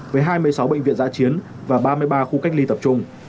với hai mươi sáu bệnh viện giã chiến và ba mươi ba khu cách ly tập trung